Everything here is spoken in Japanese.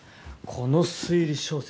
この推理小説